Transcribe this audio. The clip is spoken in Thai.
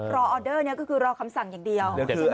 ออเดอร์นี้ก็คือรอคำสั่งอย่างเดียว